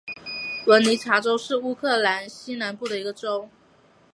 文尼察州是乌克兰西南部的一个州。